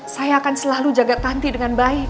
saya akan selalu jaga panti dengan baik